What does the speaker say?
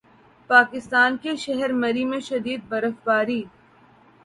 پاکستان کے شہر مری میں شدید برف باری